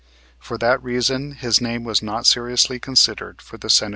For that reason his name was not seriously considered for the Senatorship.